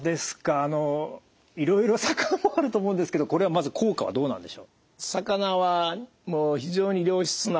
あのいろいろ魚もあると思うんですけどこれはまず効果はどうなんでしょう？